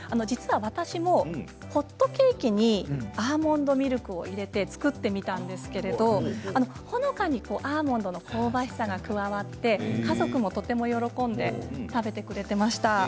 実は私もホットケーキにアーモンドミルクを入れて作ってみたんですけれどほのかにアーモンドの香ばしさが加わって、家族もとても喜んで食べてくれていました。